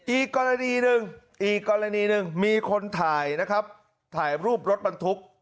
อีกกรณีหนึ่งมีคนถ่ายนะครับถ่ายรูปรถบรรทุก